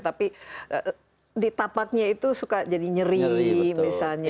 tapi di tapaknya itu suka jadi nyeri misalnya